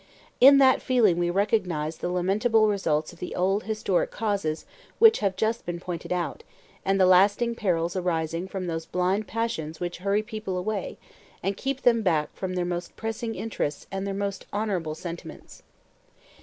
In that feeling we recognize the lamentable results of the old historic causes which have just been pointed out, and the lasting perils arising from those blind passions which hurry people away, and keep them back from their most pressing interests and their most honorable sentiments.